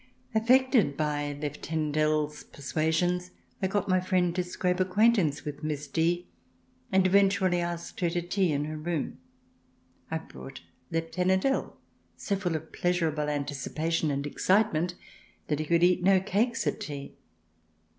Affected by Lieutenant L 's persuasions, I got my friend to scrape acquaintance with Miss D , and eventually asked her to tea in her room. I brought Lieutenant L , so full of pleasurable anticipation and excitement that he could eat no cakes at tea.